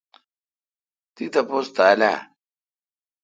تی تاپوس تھال اؘ۔